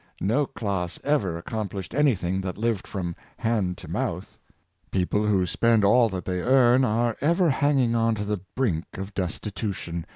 No class ever accomplished anything that lived from hand to mouth. People who spend all that they earn are ever hanging on the brink of destitution.